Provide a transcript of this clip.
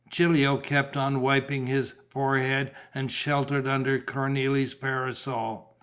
Gilio kept on wiping his forehead and sheltered under Cornélie's parasol.